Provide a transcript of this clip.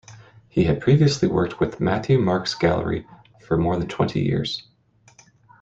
He had previously worked with Matthew Marks Gallery for more than twenty years.